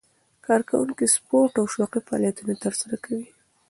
کارکوونکي سپورت او شوقي فعالیتونه ترسره کوي.